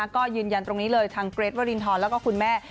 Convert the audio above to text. ก็ยืนยันตรงนี้เลยทางเกรทวรินทรแล้วก็คุณแม่